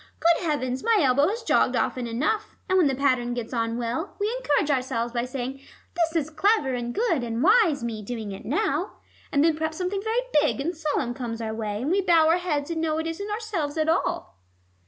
Good heavens, my elbow has jogged often enough! And when the pattern gets on well, we encourage ourselves by saying, 'This is clever and good and wise Me doing it now!' And then perhaps something very big and solemn comes our way, and we bow our heads, and know it isn't ourselves at all."